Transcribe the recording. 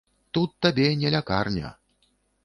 Тут табе не лякарня.